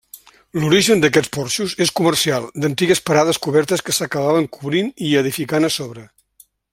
L'origen d'aquests porxos és comercial, d'antigues parades cobertes que s'acabaven cobrint i edificant a sobre.